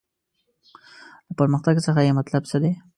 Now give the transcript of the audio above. له پرمختګ څخه یې مطلب څه دی.